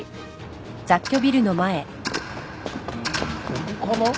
ここかな？